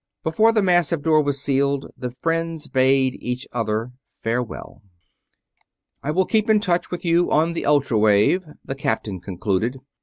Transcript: Before the massive door was sealed the friends bade each other farewell. "... I will keep in touch with you on the ultra wave," the Captain concluded.